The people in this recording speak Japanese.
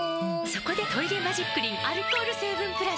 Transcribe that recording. そこで「トイレマジックリン」アルコール成分プラス！